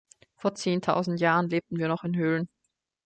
Vor zehntausend Jahren lebten wir noch in Höhlen.